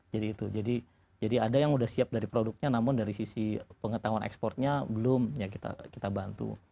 jadi ada yang sudah siap dari produknya namun dari sisi pengetahuan ekspornya belum kita bantu